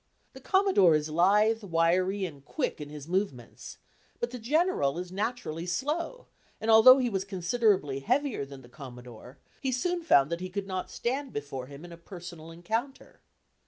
The Commodore is lithe, wiry, and quick in his movements, but the General is naturally slow, and although he was considerably heavier than the Commodore, he soon found that he could not stand before him in a personal encounter.